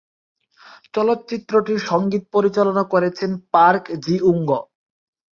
চলচ্চিত্রটির সঙ্গীত পরিচালনা করেছেন পার্ক জি-ওঙ্গ।